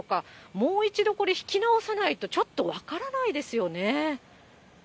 もう一度これ、引き直さないとちょっと分からないですよね。